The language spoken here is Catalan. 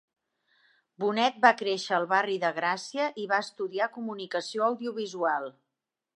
Bonet va créixer al barri de Gràcia i va estudiar Comunicació Audiovisual.